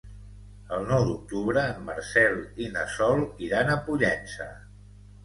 El nou d'octubre en Marcel i na Sol iran a Pollença.